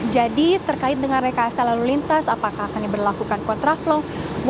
jadi terkait dengan rekayasa lalu lintas apakah akan diberlakukan kontraflok